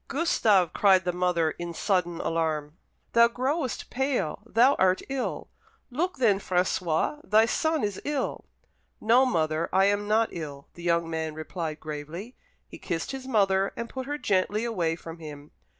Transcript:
"Gustave!" cried the mother, in sudden alarm, "thou growest pale thou art ill! Look then, François, thy son is ill!" "No, mother, I am not ill," the young man replied gravely. He kissed his mother, and put her gently away from him.